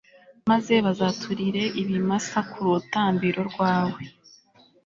maze bazaturire ibimasa ku rutambiro rwawe